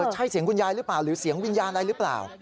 ใช่เสียงคุณยายหรือเปล่าหรือเสียงวิญญาณอะไรหรือเปล่า